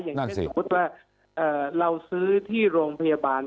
อย่างเช่นสมมุติว่าเราซื้อที่โรงพยาบาล